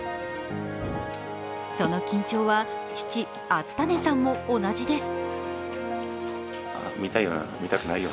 その緊張は、父・敦胤さんも同じです。